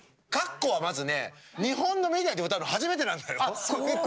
ＫＡＫＫＯは、まずね日本のメディアで歌うの初めてなんだよ。